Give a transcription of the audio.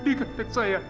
di kantek saya